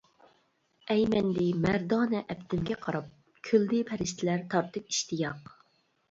ئەيمەندى مەردانە ئەپتىمگە قاراپ، كۈلدى پەرىشتىلەر تارتىپ ئىشتىياق.